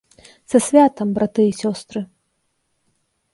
Са святам, браты і сёстры!